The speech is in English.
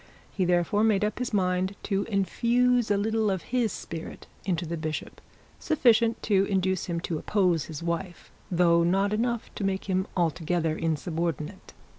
He therefore made up his mind to infuse a little of his spirit into the bishop, sufficient to induce him to oppose his wife, though not enough to make him altogether insubordinate.